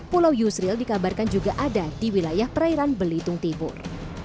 pulau yusril dikabarkan juga ada di wilayah perairan belitung timur